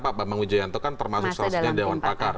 tidak pak bang wijayanto kan termasuk sosial media dan dewan pakar